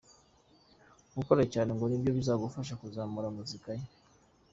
Gukora cyane ngo nibyo bizamufasha kuzamura muzika ye.